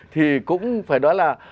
thì cũng phải nói là